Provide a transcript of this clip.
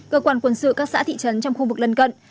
cơ quan quân sự các xã thị trấn trong khu vực lân cận